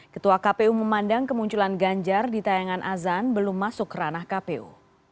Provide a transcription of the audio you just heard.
ketua kpu memandang kemunculan ganjar di tayangan azan belum masuk ranah kpu